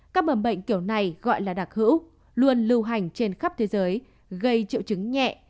các mầm bệnh kiểu này gọi là đặc hữu luôn lưu hành trên khắp thế giới gây triệu chứng nhẹ